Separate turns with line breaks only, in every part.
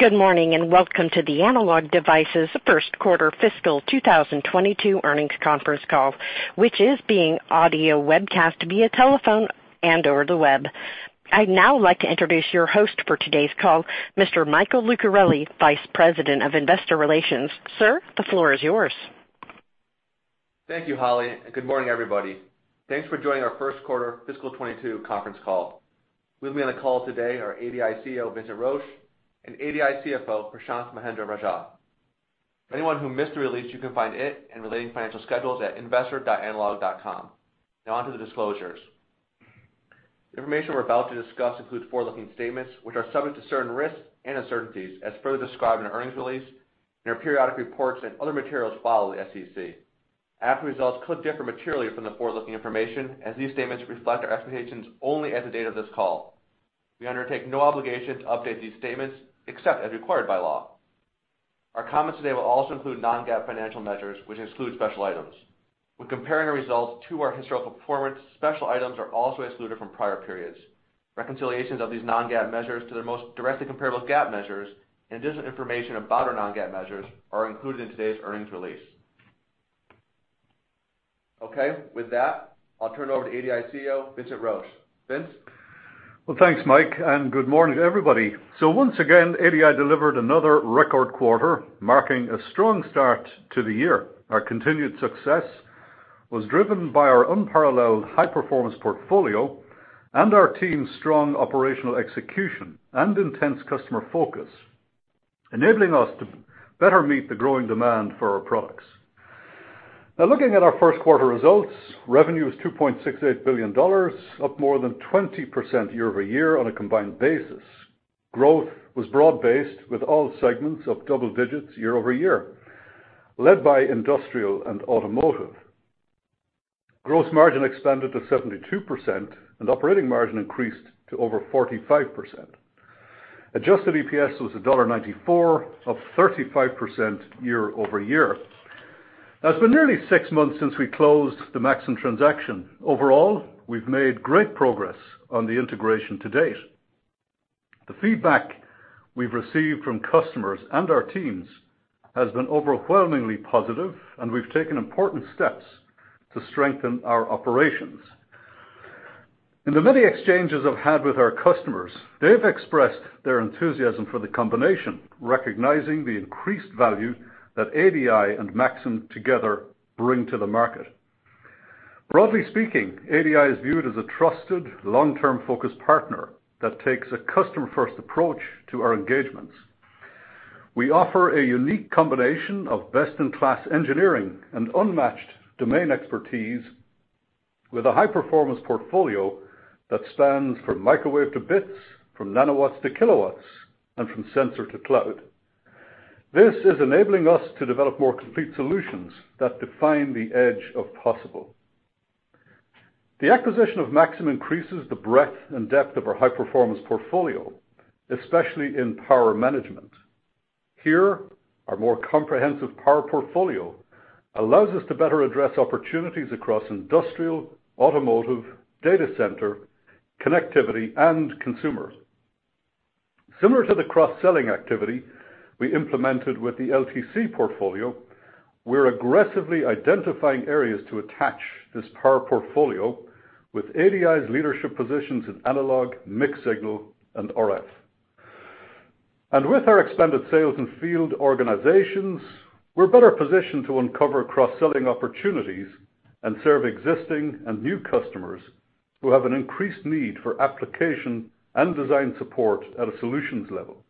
Good morning, and welcome to the Analog Devices first quarter fiscal 2022 earnings conference call, which is being audio webcast via telephone and or the web. I'd now like to introduce your host for today's call, Mr. Michael Lucarelli, Vice President of Investor Relations. Sir, the floor is yours.
Thank you, Holly, and good morning, everybody. Thanks for joining our first quarter fiscal 2022 conference call. With me on the call today are ADI CEO Vincent Roche and ADI CFO Prashanth Mahendra-Rajah. For anyone who missed the release, you can find it and related financial schedules at investor.analog.com. Now on to the disclosures. The information we're about to discuss includes forward-looking statements, which are subject to certain risks and uncertainties as further described in our earnings release in our periodic reports and other materials filed with the SEC. Actual results could differ materially from the forward-looking information as these statements reflect our expectations only as of the date of this call. We undertake no obligation to update these statements except as required by law. Our comments today will also include non-GAAP financial measures, which exclude special items. When comparing our results to our historical performance, special items are also excluded from prior periods. Reconciliations of these non-GAAP measures to their most directly comparable GAAP measures and additional information about our non-GAAP measures are included in today's earnings release. Okay. With that, I'll turn it over to ADI CEO, Vincent Roche. Vince.
Well, thanks, Mike, and good morning to everybody. Once again, ADI delivered another record quarter, marking a strong start to the year. Our continued success was driven by our unparalleled high-performance portfolio and our team's strong operational execution and intense customer focus, enabling us to better meet the growing demand for our products. Now looking at our first quarter results, revenue was $2.68 billion, up more than 20% year-over-year on a combined basis. Growth was broad-based with all segments of double digits year-over-year, led by industrial and automotive. Gross margin expanded to 72%, and operating margin increased to over 45%. Adjusted EPS was $1.94, up 35% year-over-year. Now, it's been nearly six months since we closed the Maxim transaction. Overall, we've made great progress on the integration to date. The feedback we've received from customers and our teams has been overwhelmingly positive, and we've taken important steps to strengthen our operations. In the many exchanges I've had with our customers, they've expressed their enthusiasm for the combination, recognizing the increased value that ADI and Maxim together bring to the market. Broadly speaking, ADI is viewed as a trusted long-term focused partner that takes a customer-first approach to our engagements. We offer a unique combination of best-in-class engineering and unmatched domain expertise with a high-performance portfolio that stands from microwave to bits, from nanowatts to kilowatts, and from sensor to cloud. This is enabling us to develop more complete solutions that define the edge of possible. The acquisition of Maxim increases the breadth and depth of our high-performance portfolio, especially in power management. Here, our more comprehensive power portfolio allows us to better address opportunities across industrial, automotive, data center, connectivity, and consumer. Similar to the cross-selling activity we implemented with the LTC portfolio, we're aggressively identifying areas to attach this power portfolio with ADI's leadership positions in analog, mixed signal, and RF. With our expanded sales and field organizations, we're better positioned to uncover cross-selling opportunities and serve existing and new customers who have an increased need for application and design support at a solutions level.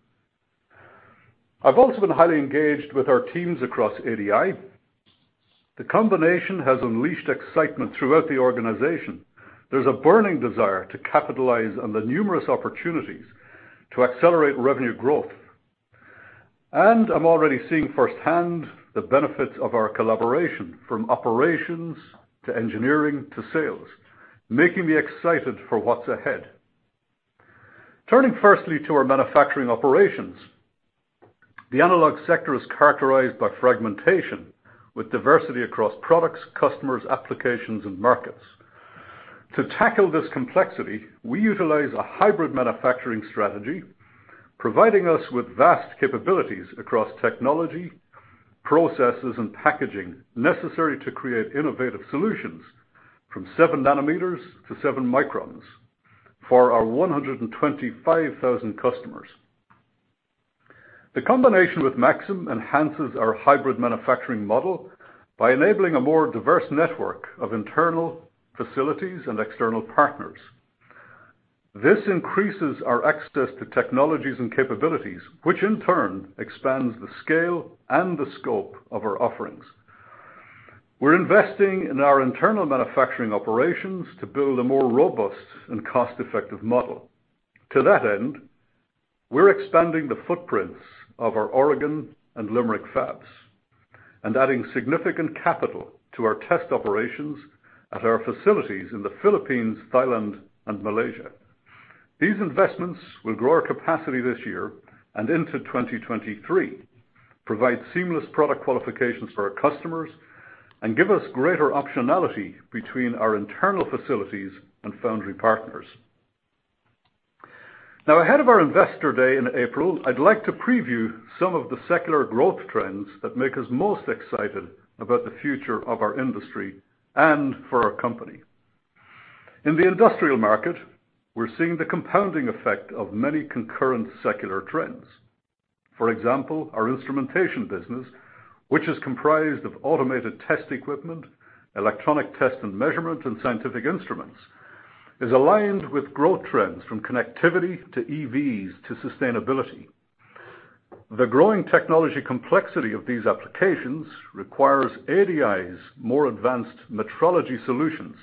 I've also been highly engaged with our teams across ADI. The combination has unleashed excitement throughout the organization. There's a burning desire to capitalize on the numerous opportunities to accelerate revenue growth. I'm already seeing firsthand the benefits of our collaboration from operations to engineering to sales, making me excited for what's ahead. Turning firstly to our manufacturing operations, the analog sector is characterized by fragmentation with diversity across products, customers, applications, and markets. To tackle this complexity, we utilize a hybrid manufacturing strategy, providing us with vast capabilities across technology, processes, and packaging necessary to create innovative solutions from 7 nm to 7 microns for our 125,000 customers. The combination with Maxim enhances our hybrid manufacturing model by enabling a more diverse network of internal facilities and external partners. This increases our access to technologies and capabilities, which in turn expands the scale and the scope of our offerings. We're investing in our internal manufacturing operations to build a more robust and cost-effective model. To that end, we're expanding the footprints of our Oregon and Limerick fabs and adding significant capital to our test operations at our facilities in the Philippines, Thailand, and Malaysia. These investments will grow our capacity this year and into 2023. Provide seamless product qualifications for our customers, and give us greater optionality between our internal facilities and foundry partners. Now, ahead of our investor day in April, I'd like to preview some of the secular growth trends that make us most excited about the future of our industry and for our company. In the industrial market, we're seeing the compounding effect of many concurrent secular trends. For example, our instrumentation business, which is comprised of automated test equipment, electronic test and measurement, and scientific instruments, is aligned with growth trends from connectivity to EVs to sustainability. The growing technology complexity of these applications requires ADI's more advanced metrology solutions,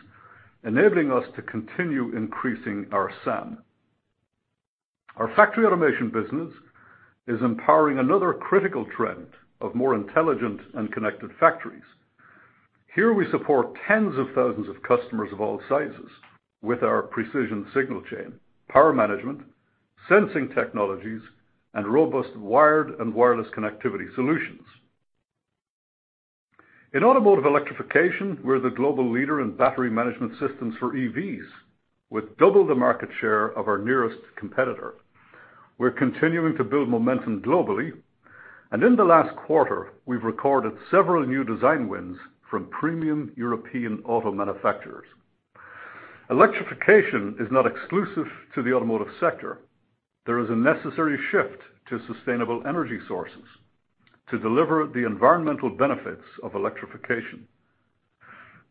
enabling us to continue increasing our SAM. Our factory automation business is empowering another critical trend of more intelligent and connected factories. Here we support tens of thousands of customers of all sizes with our precision signal chain, power management, sensing technologies, and robust wired and wireless connectivity solutions. In automotive electrification, we're the global leader in battery management systems for EVs, with double the market share of our nearest competitor. We're continuing to build momentum globally, and in the last quarter, we've recorded several new design wins from premium European auto manufacturers. Electrification is not exclusive to the automotive sector. There is a necessary shift to sustainable energy sources to deliver the environmental benefits of electrification.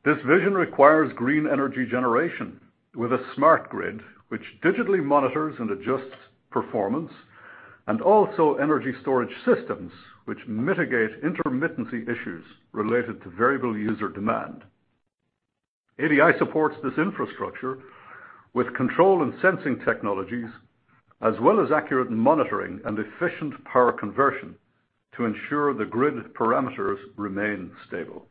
This vision requires green energy generation with a smart grid, which digitally monitors and adjusts performance, and also energy storage systems which mitigate intermittency issues related to variable user demand. ADI supports this infrastructure with control and sensing technologies, as well as accurate monitoring and efficient power conversion to ensure the grid parameters remain stable.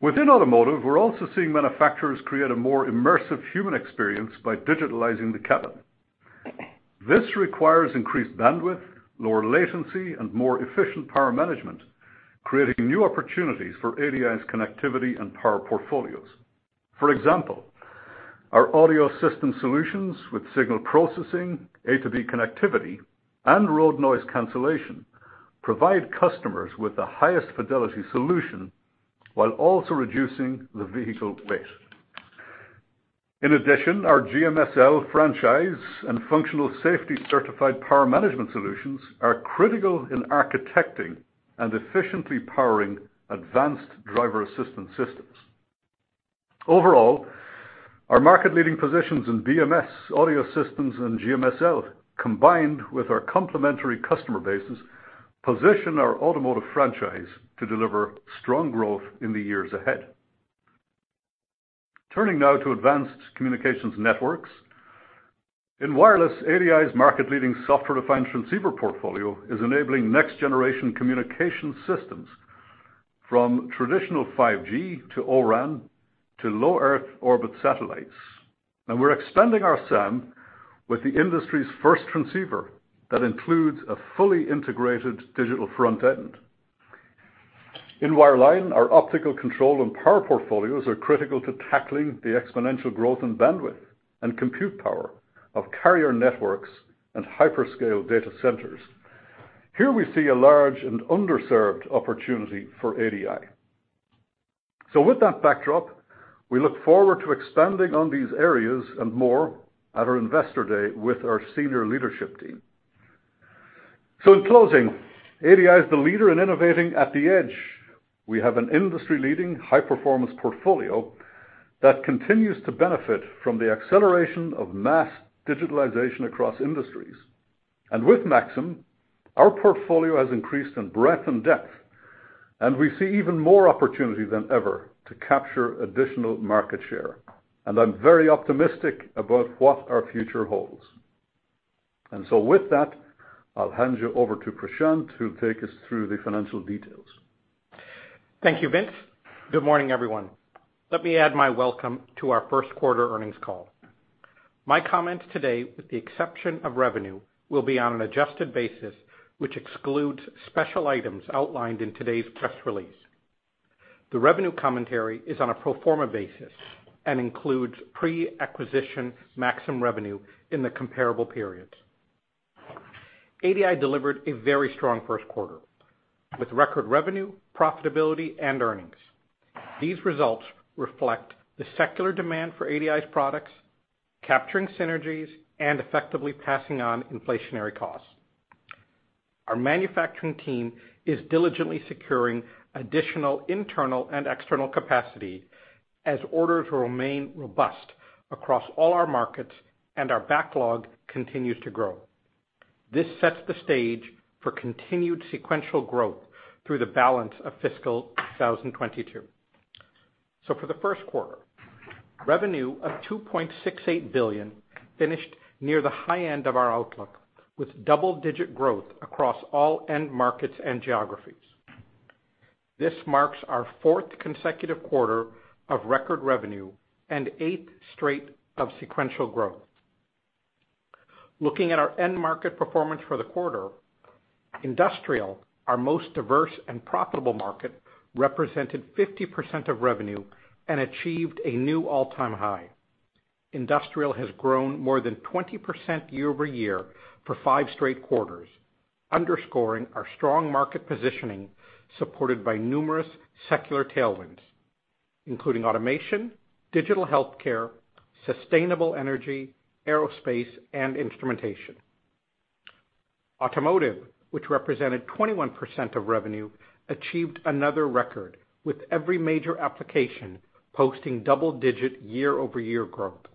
Within automotive, we're also seeing manufacturers create a more immersive human experience by digitalizing the cabin. This requires increased bandwidth, lower latency, and more efficient power management, creating new opportunities for ADI's connectivity and power portfolios. For example, our audio system solutions with signal processing, A2B connectivity, and road noise cancellation provide customers with the highest fidelity solution while also reducing the vehicle weight. In addition, our GMSL franchise and functional safety certified power management solutions are critical in architecting and efficiently powering advanced driver assistance systems. Overall, our market-leading positions in BMS audio systems and GMSL, combined with our complementary customer bases, position our automotive franchise to deliver strong growth in the years ahead. Turning now to advanced communications networks. In wireless, ADI's market-leading software-defined transceiver portfolio is enabling next-generation communication systems from traditional 5G to O-RAN to low Earth orbit satellites. We're expanding our SAM with the industry's first transceiver that includes a fully integrated digital front end. In wireline, our optical control and power portfolios are critical to tackling the exponential growth in bandwidth and compute power of carrier networks and hyperscale data centers. Here we see a large and underserved opportunity for ADI. With that backdrop, we look forward to expanding on these areas and more at our Investor Day with our senior leadership team. In closing, ADI is the leader in innovating at the edge. We have an industry-leading high-performance portfolio that continues to benefit from the acceleration of mass digitalization across industries. With Maxim, our portfolio has increased in breadth and depth, and we see even more opportunity than ever to capture additional market share. I'm very optimistic about what our future holds. With that, I'll hand you over to Prashanth who'll take us through the financial details.
Thank you, Vince. Good morning, everyone. Let me add my welcome to our first quarter earnings call. My comments today, with the exception of revenue, will be on an adjusted basis, which excludes special items outlined in today's press release. The revenue commentary is on a pro forma basis and includes pre-acquisition Maxim revenue in the comparable periods. ADI delivered a very strong first quarter with record revenue, profitability, and earnings. These results reflect the secular demand for ADI's products, capturing synergies, and effectively passing on inflationary costs. Our manufacturing team is diligently securing additional internal and external capacity as orders remain robust across all our markets and our backlog continues to grow. This sets the stage for continued sequential growth through the balance of fiscal 2022. For the first quarter, revenue of $2.68 billion finished near the high end of our outlook with double-digit growth across all end markets and geographies. This marks our fourth consecutive quarter of record revenue and eighth straight of sequential growth. Looking at our end market performance for the quarter, Industrial, our most diverse and profitable market, represented 50% of revenue and achieved a new all-time high. Industrial has grown more than 20% year-over-year for five straight quarters, underscoring our strong market positioning, supported by numerous secular tailwinds, including automation, digital healthcare, sustainable energy, aerospace, and instrumentation. Automotive, which represented 21% of revenue, achieved another record, with every major application posting double-digit year-over-year growth.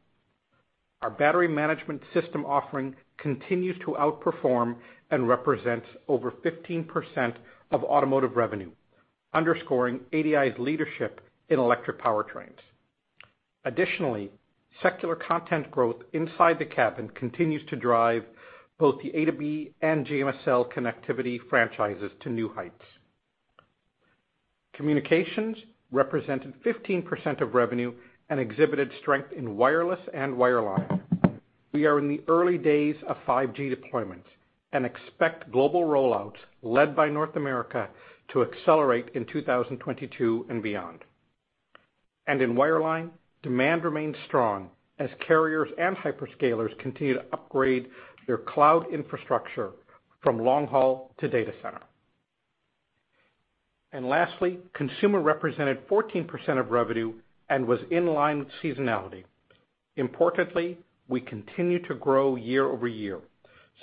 Our battery management system offering continues to outperform and represents over 15% of automotive revenue, underscoring ADI's leadership in electric powertrains. Additionally, secular content growth inside the cabin continues to drive both the A2B and GMSL connectivity franchises to new heights. Communications represented 15% of revenue and exhibited strength in wireless and wireline. We are in the early days of 5G deployments and expect global rollouts led by North America to accelerate in 2022 and beyond. In wireline, demand remains strong as carriers and hyperscalers continue to upgrade their cloud infrastructure from long haul to data center. Lastly, consumer represented 14% of revenue and was in line with seasonality. Importantly, we continue to grow year-over-year,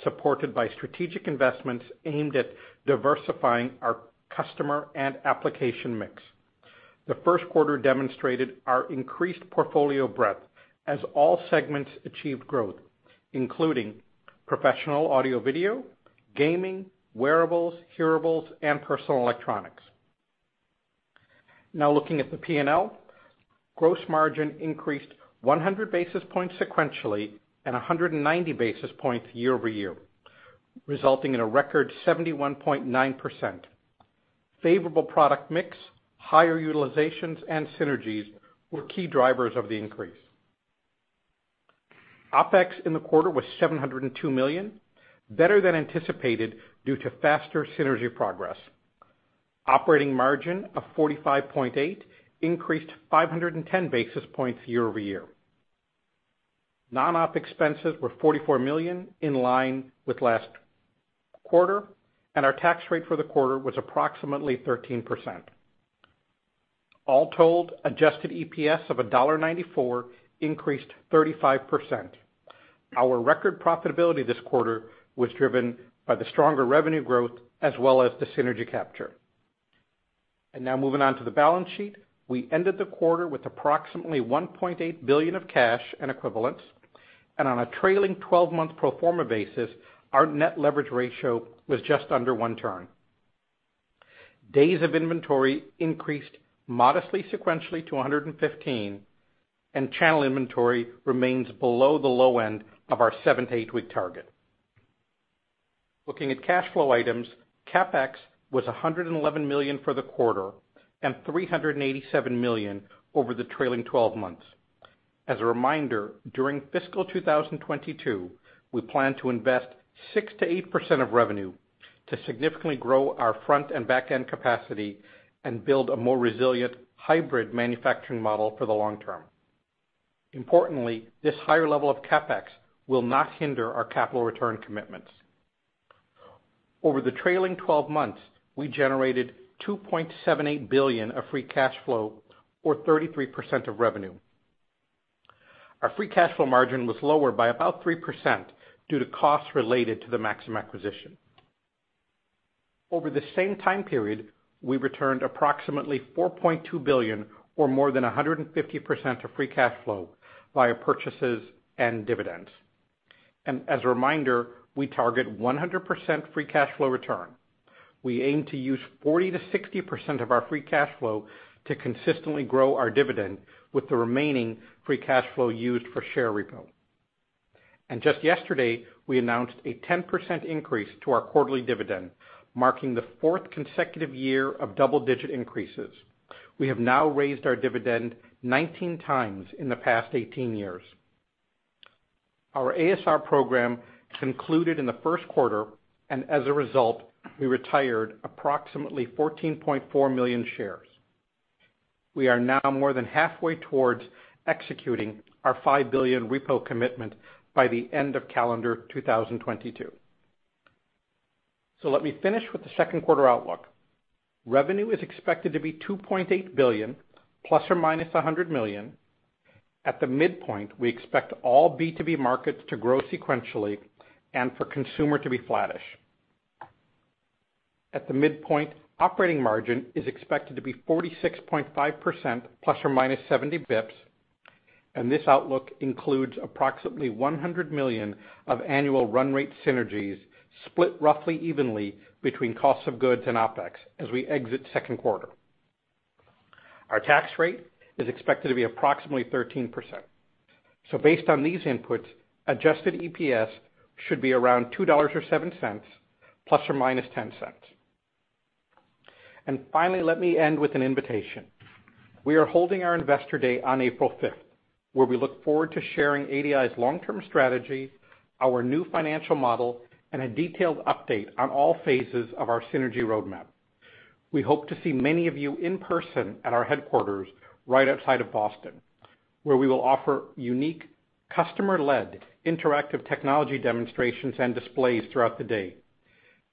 supported by strategic investments aimed at diversifying our customer and application mix. The first quarter demonstrated our increased portfolio breadth as all segments achieved growth, including professional audio video, gaming, wearables, hearables, and personal electronics. Now looking at the P&L, gross margin increased 100 basis points sequentially and 190 basis points year-over-year, resulting in a record 71.9%. Favorable product mix, higher utilizations and synergies were key drivers of the increase. OpEx in the quarter was $702 million, better than anticipated due to faster synergy progress. Operating margin of 45.8 increased 510 basis points year-over-year. Non-op expenses were $44 million, in line with last quarter, and our tax rate for the quarter was approximately 13%. All told, adjusted EPS of $1.94 increased 35%. Our record profitability this quarter was driven by the stronger revenue growth as well as the synergy capture. Now moving on to the balance sheet. We ended the quarter with approximately $1.8 billion of cash and equivalents. On a trailing-twelve-month pro forma basis, our net leverage ratio was just under one turn. Days of inventory increased modestly sequentially to 115, and channel inventory remains below the low end of our seven to eight-week target. Looking at cash flow items, CapEx was $111 million for the quarter and $387 million over the trailing twelve months. As a reminder, during fiscal 2022, we plan to invest 6%-8% of revenue to significantly grow our front and back end capacity and build a more resilient hybrid manufacturing model for the long term. Importantly, this higher level of CapEx will not hinder our capital return commitments. Over the trailing 12 months, we generated $2.78 billion of free cash flow or 33% of revenue. Our free cash flow margin was lower by about 3% due to costs related to the Maxim acquisition. Over the same time period, we returned approximately $4.2 billion, or more than 150% of free cash flow via purchases and dividends. As a reminder, we target 100% free cash flow return. We aim to use 40%-60% of our free cash flow to consistently grow our dividend, with the remaining free cash flow used for share repo. Just yesterday, we announced a 10% increase to our quarterly dividend, marking the fourth consecutive year of double-digit increases. We have now raised our dividend 19x in the past 18 years. Our ASR program concluded in the first quarter, and as a result, we retired approximately 14.4 million shares. We are now more than halfway towards executing our $5 billion repo commitment by the end of calendar 2022. Let me finish with the second quarter outlook. Revenue is expected to be $2.8 billion ± $100 million. At the midpoint, we expect all B2B markets to grow sequentially and for consumer to be flattish. At the midpoint, operating margin is expected to be 46.5% ± 70 basis points, and this outlook includes approximately $100 million of annual run rate synergies split roughly evenly between cost of goods and OpEx as we exit second quarter. Our tax rate is expected to be approximately 13%. Based on these inputs, adjusted EPS should be around $2.07 ± $0.10. Finally, let me end with an invitation. We are holding our Investor Day on April 5th, where we look forward to sharing ADI's long-term strategy, our new financial model, and a detailed update on all phases of our synergy roadmap. We hope to see many of you in person at our headquarters right outside of Boston, where we will offer unique customer-led interactive technology demonstrations and displays throughout the day.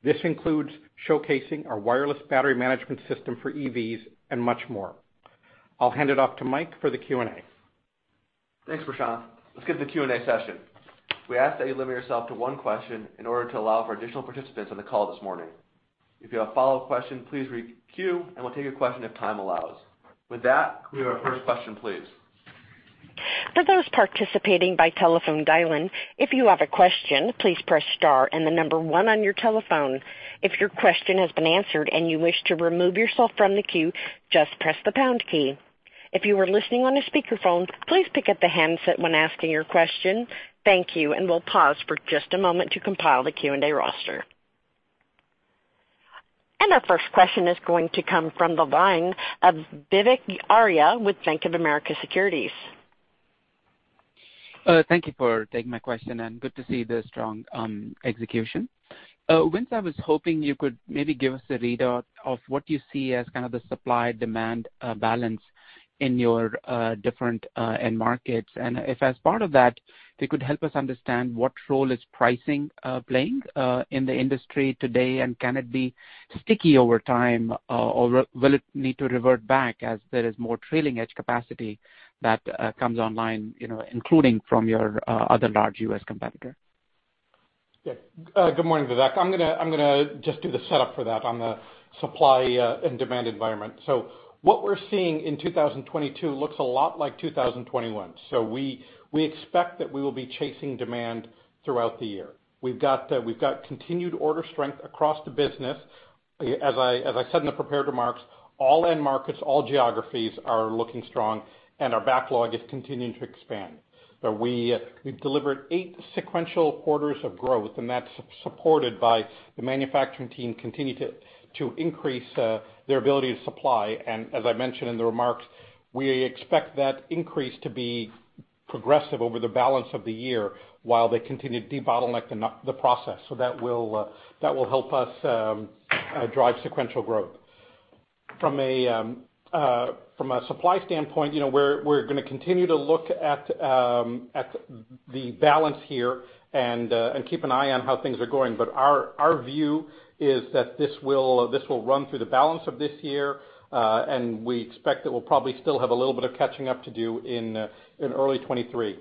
This includes showcasing our wireless battery management system for EVs and much more. I'll hand it off to Mike for the Q&A.
Thanks, Prashanth. Let's get to the Q&A session. We ask that you limit yourself to one question in order to allow for additional participants on the call this morning. If you have a follow-up question, please re-queue, and we'll take your question if time allows. With that, your first question, please.
For those participating by telephone dial-in, if you have a question, please press star and the number one on your telephone. If your question has been answered and you wish to remove yourself from the queue, just press the pound key. If you are listening on a speakerphone, please pick up the handset when asking your question. Thank you, and we'll pause for just a moment to compile the Q&A roster. Our first question is going to come from the line of Vivek Arya with Bank of America Securities.
Thank you for taking my question, and good to see the strong execution. Vince, I was hoping you could maybe give us a readout of what you see as kind of the supply-demand balance in your different end markets. If, as part of that, you could help us understand what role is pricing playing in the industry today, and can it be sticky over time, or will it need to revert back as there is more trailing edge capacity that comes online, you know, including from your other large U.S. competitor?
Good morning, Vivek. I'm gonna just do the setup for that on the supply and demand environment. What we're seeing in 2022 looks a lot like 2021. We expect that we will be chasing demand throughout the year. We've got continued order strength across the business. As I said in the prepared remarks, all end markets, all geographies are looking strong, and our backlog is continuing to expand. We've delivered eight sequential quarters of growth, and that's supported by the manufacturing team continue to increase their ability to supply. As I mentioned in the remarks, we expect that increase to be progressive over the balance of the year while they continue to debottleneck the process. That will help us drive sequential growth. From a supply standpoint, you know, we're gonna continue to look at the balance here and keep an eye on how things are going. Our view is that this will run through the balance of this year, and we expect that we'll probably still have a little bit of catching up to do in early 2023.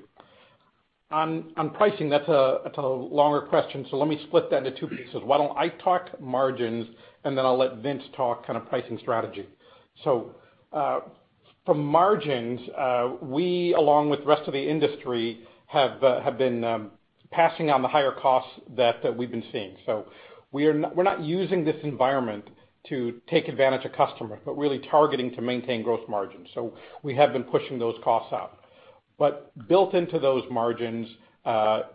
On pricing, that's a longer question, so let me split that into two pieces. Why don't I talk margins, and then I'll let Vince talk kind of pricing strategy. From margins, we along with the rest of the industry have been passing on the higher costs that we've been seeing. We're not using this environment to take advantage of customers, but really targeting to maintain growth margins. We have been pushing those costs out. Built into those margins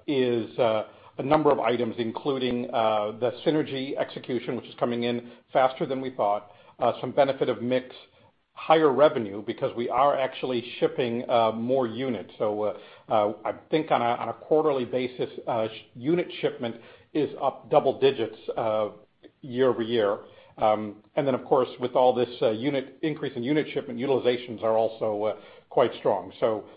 is a number of items, including the synergy execution, which is coming in faster than we thought, some benefit of mix, higher revenue because we are actually shipping more units. I think on a quarterly basis, unit shipment is up double digits year-over-year. Of course, with all this, unit increase in unit shipment, utilizations are also quite strong.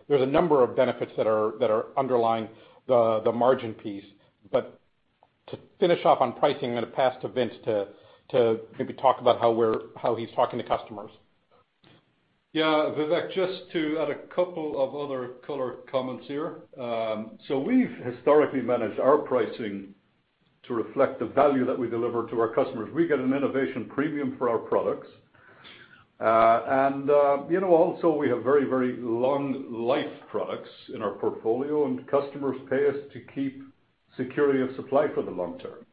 There's a number of benefits that are underlying the margin piece. To finish off on pricing, I'm gonna pass to Vince to maybe talk about how he's talking to customers.
Yeah, Vivek, just to add a couple of other color comments here. So we've historically managed our pricing to reflect the value that we deliver to our customers. We get an innovation premium for our products. You know, also we have very, very long life products in our portfolio, and customers pay us to keep security of supply for the long term.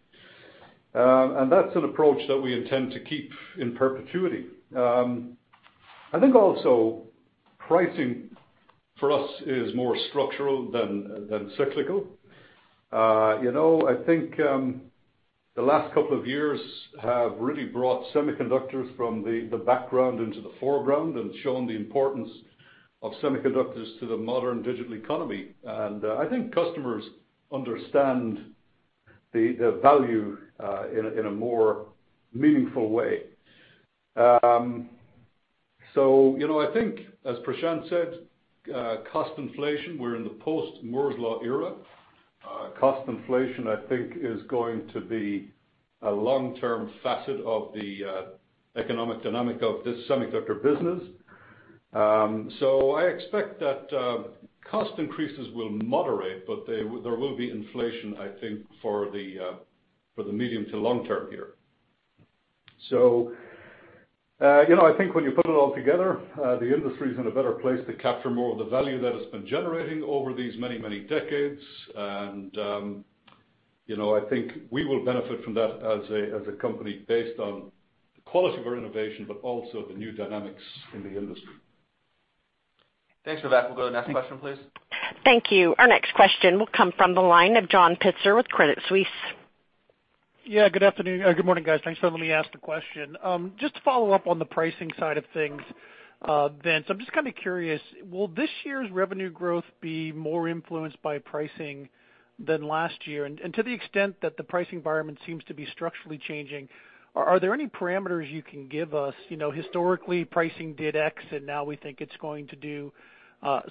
That's an approach that we intend to keep in perpetuity. I think also pricing for us is more structural than cyclical. You know, I think the last couple of years have really brought semiconductors from the background into the foreground and shown the importance of semiconductors to the modern digital economy. I think customers understand the value in a more meaningful way. You know, I think as Prashanth said, cost inflation, we're in the post-Moore's Law era. Cost inflation, I think is going to be a long-term facet of the economic dynamic of this semiconductor business. I expect that cost increases will moderate, but there will be inflation, I think for the medium to long term here. You know, I think when you put it all together, the industry's in a better place to capture more of the value that it's been generating over these many, many decades. You know, I think we will benefit from that as a company based on the quality of our innovation, but also the new dynamics in the industry.
Thanks, Vivek. We'll go to the next question, please.
Thank you. Our next question will come from the line of John Pitzer with Credit Suisse.
Yeah, good afternoon. Good morning, guys. Thanks for letting me ask the question. Just to follow up on the pricing side of things, Vince, I'm just kind of curious, will this year's revenue growth be more influenced by pricing than last year? To the extent that the pricing environment seems to be structurally changing, are there any parameters you can give us? You know, historically, pricing did X, and now we think it's going to do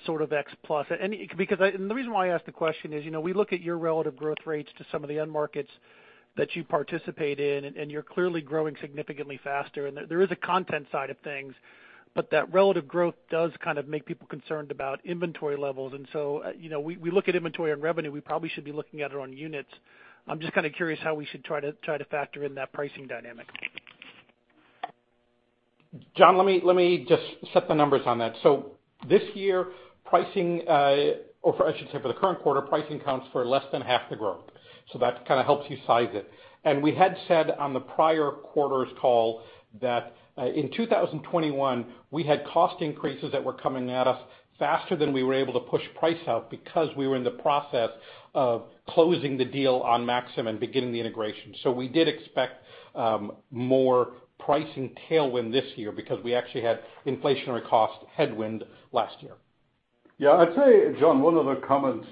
sort of X plus. Because the reason why I ask the question is, you know, we look at your relative growth rates to some of the end markets that you participate in, and you're clearly growing significantly faster. There is a content side of things, but that relative growth does kind of make people concerned about inventory levels. You know, we look at inventory and revenue, we probably should be looking at it on units. I'm just kind of curious how we should try to factor in that pricing dynamic.
John, let me just set the numbers on that. This year, pricing, or for, I should say, for the current quarter, pricing counts for less than half the growth. That kind of helps you size it. We had said on the prior quarter's call that, in 2021, we had cost increases that were coming at us faster than we were able to push price out because we were in the process of closing the deal on Maxim and beginning the integration. We did expect more pricing tailwind this year because we actually had inflationary cost headwind last year.
Yeah. I'd say, John, one other comment.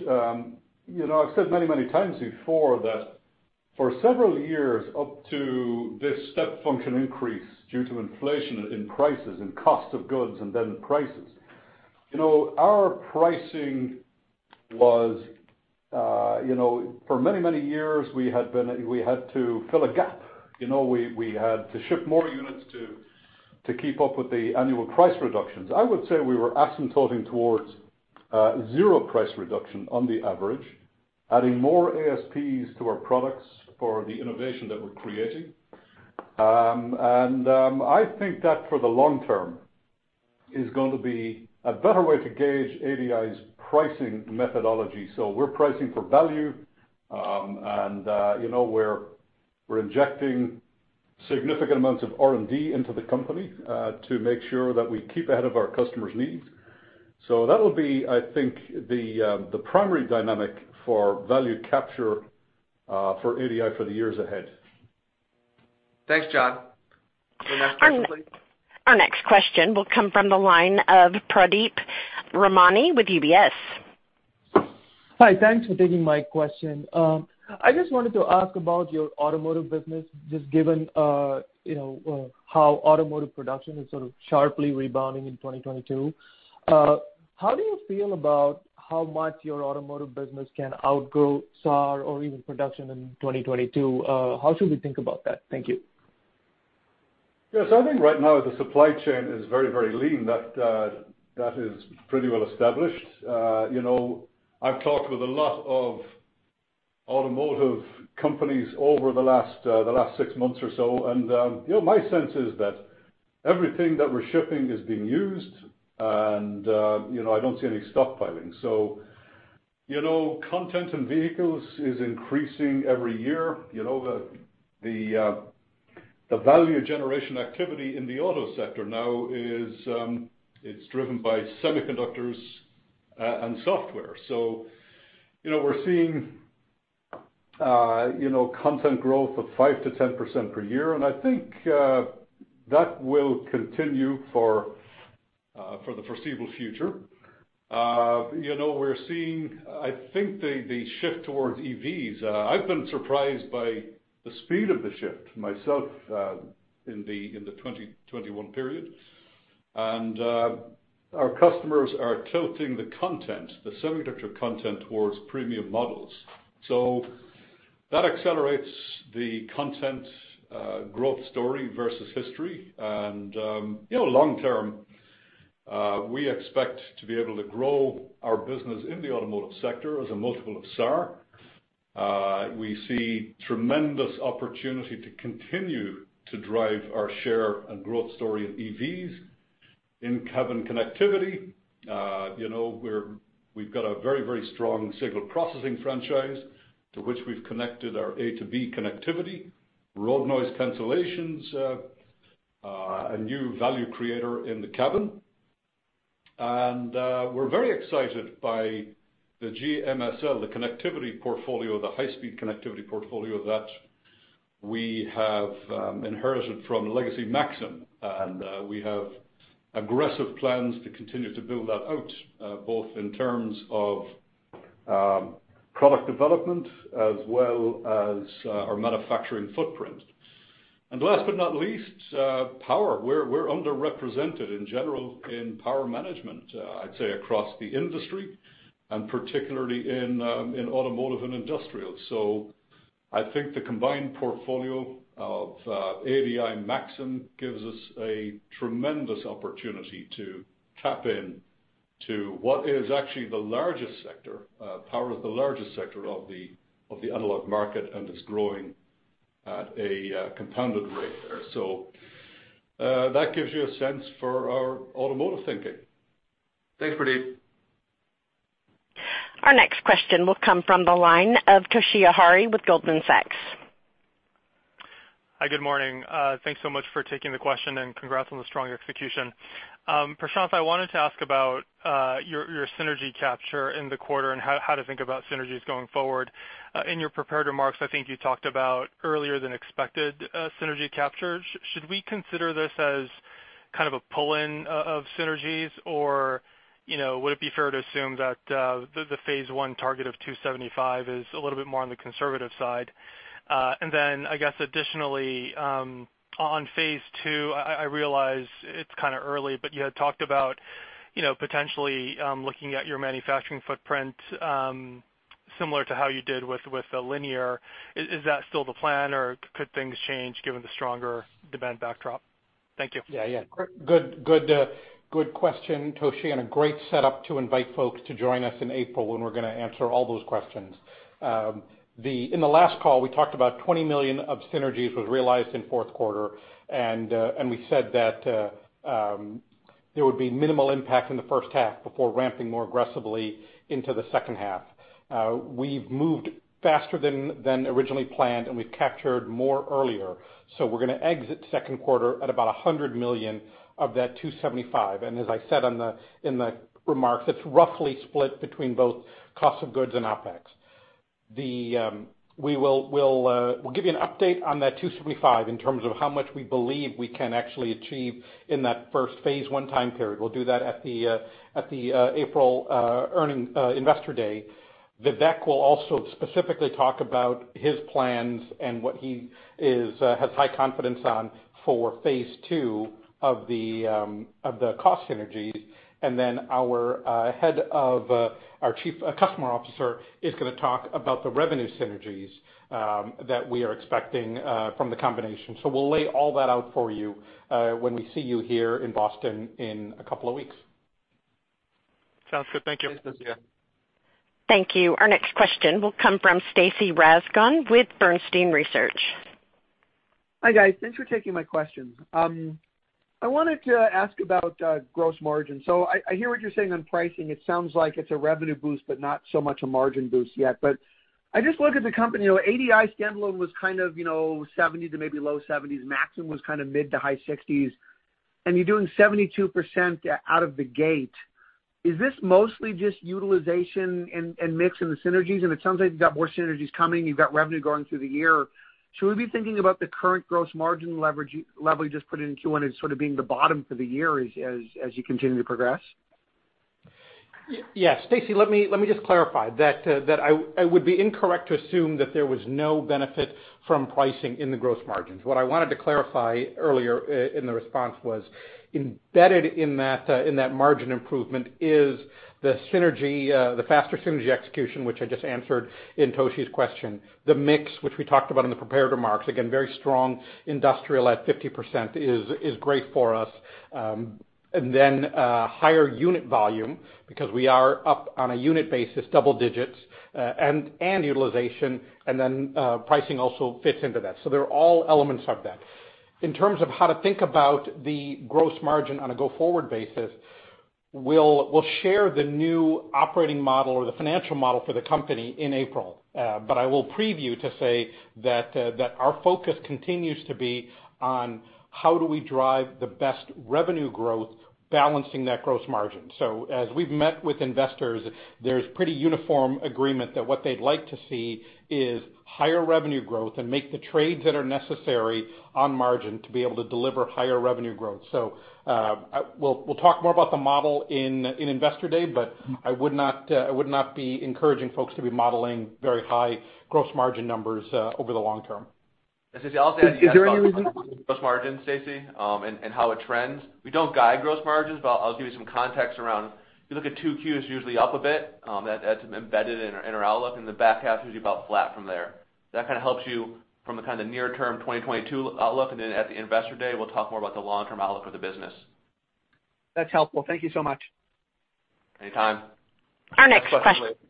You know, I've said many, many times before that for several years up to this step function increase due to inflation in prices and cost of goods, and then prices, you know, our pricing was, you know, for many, many years, we had to fill a gap. You know, we had to ship more units to keep up with the annual price reductions. I would say we were asymptoting towards zero price reduction on the average, adding more ASPs to our products for the innovation that we're creating. I think that for the long term is going to be a better way to gauge ADI's pricing methodology. We're pricing for value, and you know, we're injecting significant amounts of R&D into the company to make sure that we keep ahead of our customers' needs. That'll be, I think, the primary dynamic for value capture for ADI for the years ahead.
Thanks, John. The next question, please.
Our next question will come from the line of Pradeep Ramani with UBS.
Hi. Thanks for taking my question. I just wanted to ask about your automotive business, just given how automotive production is sort of sharply rebounding in 2022. How do you feel about how much your automotive business can outgrow SAR or even production in 2022? How should we think about that? Thank you.
Yes. I think right now the supply chain is very, very lean. That is pretty well established. You know, I've talked with a lot of automotive companies over the last six months or so, and you know, my sense is that everything that we're shipping is being used and you know, I don't see any stockpiling. You know, content in vehicles is increasing every year. You know, the value generation activity in the auto sector now is it's driven by semiconductors and software. You know, we're seeing content growth of 5%-10% per year, and I think that will continue for the foreseeable future. You know, we're seeing the shift towards EVs. I've been surprised by the speed of the shift myself in the 2021 period. Our customers are tilting the content, the semiconductor content, towards premium models. That accelerates the content growth story versus history. You know, long term, we expect to be able to grow our business in the automotive sector as a multiple of SAAR. We see tremendous opportunity to continue to drive our share and growth story in EVs, in cabin connectivity. You know, we've got a very strong signal processing franchise to which we've connected our A2B connectivity, road noise cancellations, a new value creator in the cabin. We're very excited by the GMSL, the connectivity portfolio, the high-speed connectivity portfolio that we have inherited from legacy Maxim. We have aggressive plans to continue to build that out, both in terms of, product development as well as, our manufacturing footprint. Last but not least, power. We're underrepresented in general in power management, I'd say across the industry, and particularly in automotive and industrial. I think the combined portfolio of ADI and Maxim gives us a tremendous opportunity to tap in to what is actually the largest sector, power is the largest sector of the analog market and is growing at a compounded rate there. That gives you a sense for our automotive thinking.
Thanks, Pradeep.
Our next question will come from the line of Toshiya Hari with Goldman Sachs.
Hi, good morning. Thanks so much for taking the question and congrats on the strong execution. Prashanth, I wanted to ask about your synergy capture in the quarter and how to think about synergies going forward. In your prepared remarks, I think you talked about earlier-than-expected synergy capture. Should we consider this as kind of a pull-in of synergies or, you know, would it be fair to assume that the phase one target of $275 million is a little bit more on the conservative side? And then I guess additionally, on phase two, I realize it's kind of early, but you had talked about, you know, potentially looking at your manufacturing footprint similar to how you did with the linear. Is that still the plan, or could things change given the stronger demand backdrop? Thank you.
Yeah, yeah. Good, good question, Toshiya, and a great setup to invite folks to join us in April when we're gonna answer all those questions. In the last call, we talked about $20 million of synergies was realized in fourth quarter, and we said that there would be minimal impact in the first half before ramping more aggressively into the second half. We've moved faster than originally planned, and we've captured more earlier. So we're gonna exit second quarter at about $100 million of that $275 million. And as I said in the remarks, it's roughly split between both cost of goods and OpEx. We'll give you an update on that $275 million in terms of how much we believe we can actually achieve in that first phase one time period. We'll do that at the April earnings Investor Day. Vivek will also specifically talk about his plans and what he has high confidence on for phase two of the cost synergies. Our Chief Customer Officer is gonna talk about the revenue synergies that we are expecting from the combination. We'll lay all that out for you when we see you here in Boston in a couple of weeks.
Sounds good. Thank you.
Thanks, Toshiya.
Thank you. Our next question will come from Stacy Rasgon with Bernstein Research.
Hi, guys. Thanks for taking my question. I wanted to ask about gross margin. I hear what you're saying on pricing. It sounds like it's a revenue boost, but not so much a margin boost yet. I just look at the company, you know, ADI standalone was kind of, you know, 70% to maybe low-70s. Maxim was kind of mid- to high 60s, and you're doing 72% out of the gate. Is this mostly just utilization and mix in the synergies? It sounds like you've got more synergies coming. You've got revenue growing through the year. Should we be thinking about the current gross margin leverage, level you just put in Q1, as sort of being the bottom for the year as you continue to progress?
Yes. Stacy, let me just clarify that I would be incorrect to assume that there was no benefit from pricing in the gross margins. What I wanted to clarify earlier in the response was embedded in that margin improvement is the synergy, the faster synergy execution, which I just answered in Toshi's question. The mix, which we talked about in the prepared remarks, again, very strong industrial at 50% is great for us. And then higher unit volume because we are up on a unit basis double digits, and utilization, and then pricing also fits into that. They're all elements of that. In terms of how to think about the gross margin on a go-forward basis, we'll share the new operating model or the financial model for the company in April. I will preview to say that our focus continues to be on how do we drive the best revenue growth balancing that gross margin. As we've met with investors, there's pretty uniform agreement that what they'd like to see is higher revenue growth and make the trades that are necessary on margin to be able to deliver higher revenue growth. We'll talk more about the model in Investor Day, but I would not be encouraging folks to be modeling very high gross margin numbers over the long term.
Stacy, I'll also add.
Is there any reason?
On gross margin, Stacy, and how it trends. We don't guide gross margins, but I'll give you some context around if you look at 2Q, it's usually up a bit, that's embedded in our outlook, and the back half is usually about flat from there. That kind of helps you from the kind of near-term 2022 outlook, and then at the Investor Day, we'll talk more about the long-term outlook for the business.
That's helpful. Thank you so much.
Anytime.
Our next question
Next question please.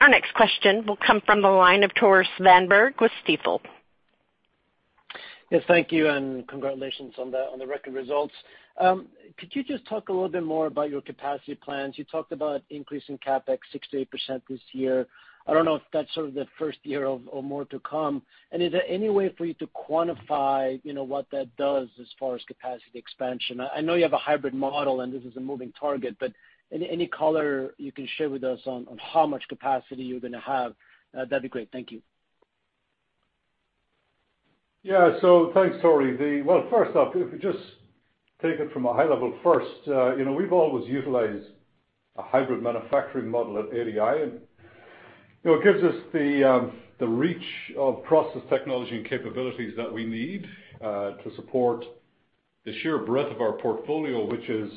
Our next question will come from the line of Tore Svanberg with Stifel.
Yes, thank you, and congratulations on the record results. Could you just talk a little bit more about your capacity plans? You talked about increasing CapEx 6%-8% this year. I don't know if that's sort of the first year of more to come. Is there any way for you to quantify, you know, what that does as far as capacity expansion? I know you have a hybrid model, and this is a moving target, but any color you can share with us on how much capacity you're gonna have, that'd be great. Thank you.
Thanks, Tore. Well, first off, if you just take it from a high level first, you know, we've always utilized a hybrid manufacturing model at ADI, and you know, it gives us the reach of process technology and capabilities that we need to support the sheer breadth of our portfolio, which is,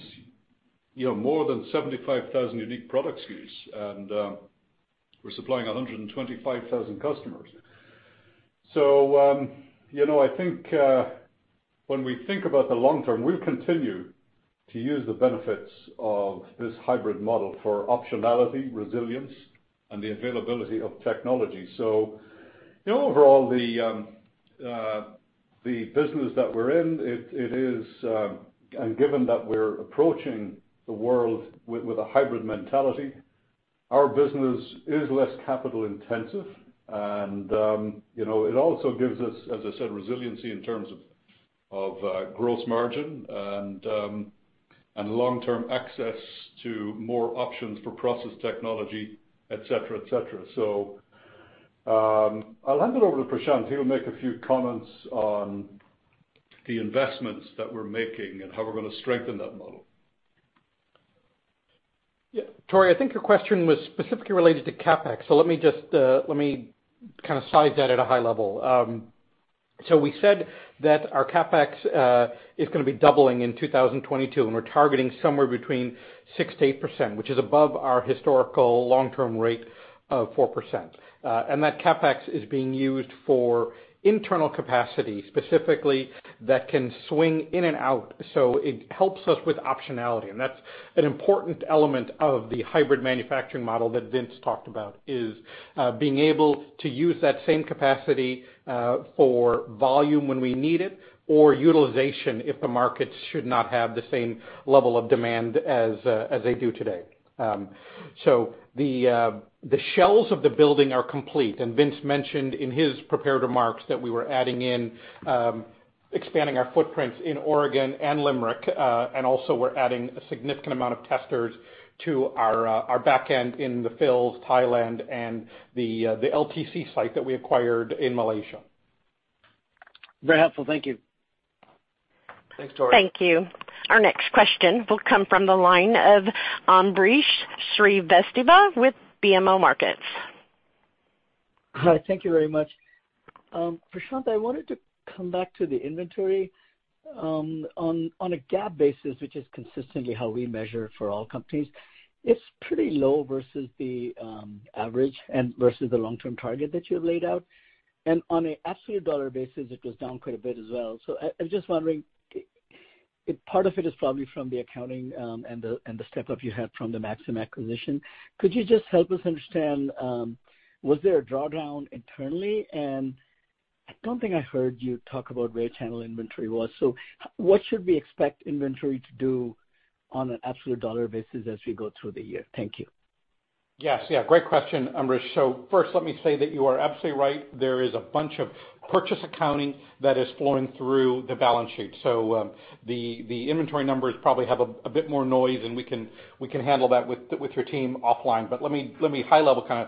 you know, more than 75,000 unique product SKUs, and we're supplying 125,000 customers. You know, I think when we think about the long term, we'll continue to use the benefits of this hybrid model for optionality, resilience, and the availability of technology. You know, overall, the business that we're in, it is. Given that we're approaching the world with a hybrid mentality, our business is less capital intensive and, you know, it also gives us, as I said, resiliency in terms of gross margin and long-term access to more options for process technology, et cetera, et cetera. I'll hand it over to Prashanth. He will make a few comments on the investments that we're making and how we're gonna strengthen that model.
Yeah. Tore, I think your question was specifically related to CapEx. Let me kind of size that at a high level. We said that our CapEx is gonna be doubling in 2022, and we're targeting somewhere between 6%-8%, which is above our historical long-term rate of 4%. That CapEx is being used for internal capacity, specifically that can swing in and out. It helps us with optionality, and that's an important element of the hybrid manufacturing model that Vince talked about, being able to use that same capacity for volume when we need it or utilization if the markets should not have the same level of demand as they do today. The shells of the building are complete, and Vince mentioned in his prepared remarks that we were expanding our footprints in Oregon and Limerick, and also we're adding a significant amount of testers to our backend in the Philippines, Thailand, and the LTC site that we acquired in Malaysia.
Very helpful. Thank you.
Thanks, Tore.
Thank you. Our next question will come from the line of Ambrish Srivastava with BMO Markets.
Hi, thank you very much. Prashanth, I wanted to come back to the inventory. On a GAAP basis, which is consistently how we measure for all companies, it's pretty low versus the average and versus the long-term target that you have laid out. On an absolute dollar basis, it was down quite a bit as well. I was just wondering, part of it is probably from the accounting and the step-up you had from the Maxim acquisition. Could you just help us understand, was there a drawdown internally? I don't think I heard you talk about where channel inventory was. What should we expect inventory to do on an absolute dollar basis as we go through the year? Thank you.
Yes. Yeah, great question, Ambrish. First let me say that you are absolutely right. There is a bunch of purchase accounting that is flowing through the balance sheet. The inventory numbers probably have a bit more noise, and we can handle that with your team offline. But let me high level kind of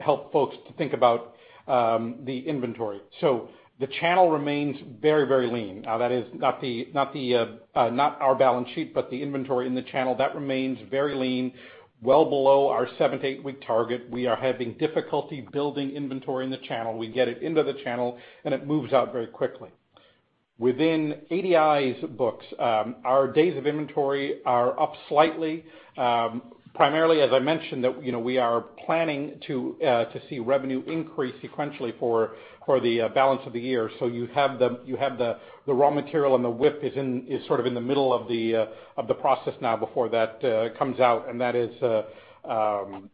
help folks to think about the inventory. The channel remains very lean. Now, that is not our balance sheet, but the inventory in the channel that remains very lean, well below our seven- to eight-week target. We are having difficulty building inventory in the channel. We get it into the channel, and it moves out very quickly. Within ADI's books, our days of inventory are up slightly, primarily, as I mentioned, that, you know, we are planning to see revenue increase sequentially for the balance of the year. You have the raw material and the WIP is sort of in the middle of the process now, before that comes out, and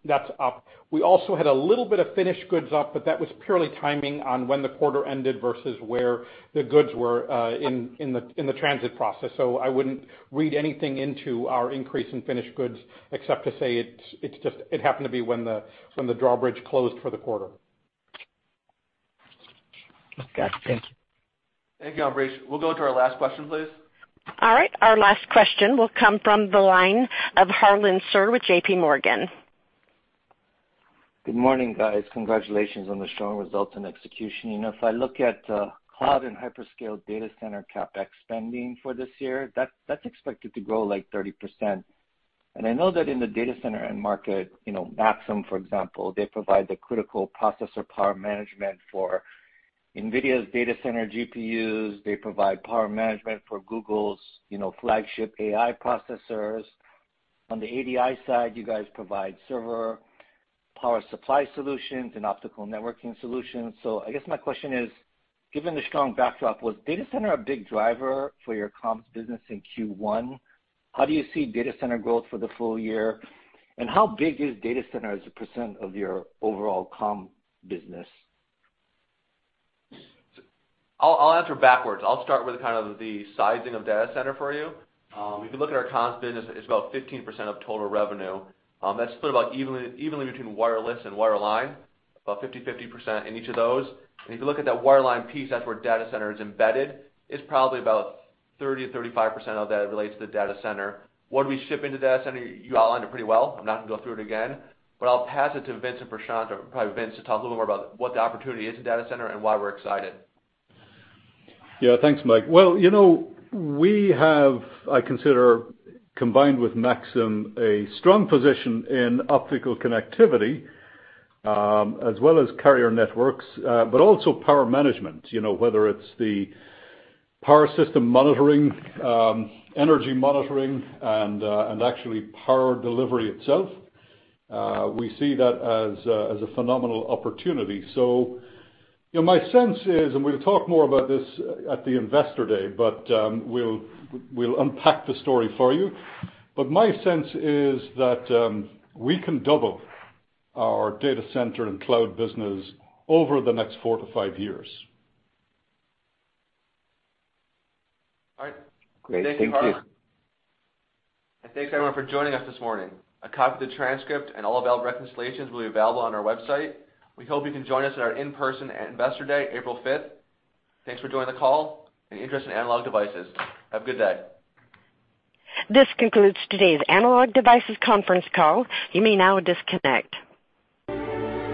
that's up. We also had a little bit of finished goods up, but that was purely timing on when the quarter ended versus where the goods were in the transit process. I wouldn't read anything into our increase in finished goods except to say it's just, it happened to be when the drawbridge closed for the quarter.
Got it. Thank you.
Thank you, Ambrish. We'll go to our last question, please.
All right, our last question will come from the line of Harlan Sur with JPMorgan.
Good morning, guys. Congratulations on the strong results and execution. You know, if I look at cloud and hyperscale data center CapEx spending for this year, that's expected to grow, like, 30%. I know that in the data center end market, you know, Maxim, for example, they provide the critical processor power management for NVIDIA's data center GPUs. They provide power management for Google's, you know, flagship AI processors. On the ADI side, you guys provide server power supply solutions and optical networking solutions. I guess my question is, given the strong backdrop, was data center a big driver for your comps business in Q1? How do you see data center growth for the full year? How big is data center as a percent of your overall comm business?
I'll answer backwards. I'll start with kind of the sizing of data center for you. If you look at our comms business, it's about 15% of total revenue. That's split about evenly between wireless and wireline, about 50%/50% in each of those. If you look at that wireline piece, that's where data center is embedded, it's probably about 30%-35% of that relates to the data center. What we ship into data center, you outlined it pretty well. I'm not gonna go through it again. I'll pass it to Vince and Prashanth, or probably Vince, to talk a little more about what the opportunity is in data center and why we're excited.
Yeah. Thanks, Mike. Well, you know, we have, I consider, combined with Maxim, a strong position in optical connectivity, as well as carrier networks, but also power management. You know, whether it's the power system monitoring, energy monitoring, and actually power delivery itself, we see that as a phenomenal opportunity. My sense is, and we'll talk more about this at the Investor Day, but we'll unpack the story for you. My sense is that we can double our data center and cloud business over the next four to five years.
All right.
Great. Thank you.
Thank you, Harlan. Thanks everyone for joining us this morning. A copy of the transcript and all available reconciliations will be available on our website. We hope you can join us at our in-person Investor Day, April 5th. Thanks for joining the call and your interest in Analog Devices. Have a good day.
This concludes today's Analog Devices conference call. You may now disconnect.